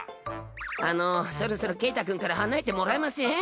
あのそろそろケータくんから離れてもらえません？